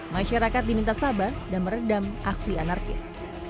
masyarakat diminta sabar dan meredam aksi anarkis